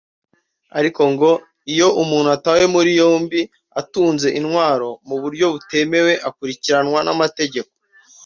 Ariko ngo iyo umuntu atawe muri yombi atunze intwaro mu buryo butemewe akurikiranwa n’amategeko